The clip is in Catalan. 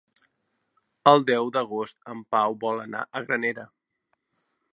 El deu d'agost en Pau vol anar a Granera.